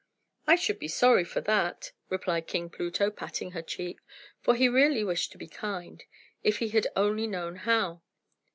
"I should be sorry for that," replied King Pluto, patting her cheek; for he really wished to be kind, if he had only known how.